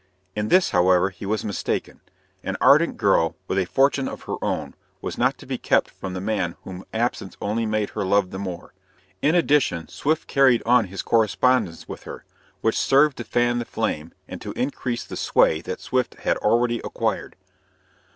In this, however, he was mistaken. An ardent girl, with a fortune of her own, was not to be kept from the man whom absence only made her love the more. In addition, Swift carried on his correspondence with her, which served to fan the flame and to increase the sway that Swift had already acquired.